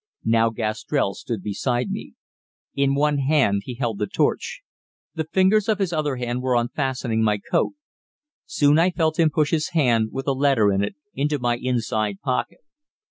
Now Gastrell stood beside me. In one hand he held the torch. The fingers of his other hand were unfastening my coat. Soon I felt him push his hand, with a letter in it, into my inside pocket.